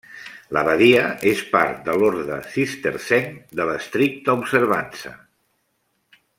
L'abadia és part de l'Orde Cistercenc de l'Estricta Observança.